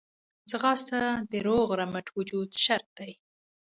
ځغاسته د روغ رمټ وجود شرط دی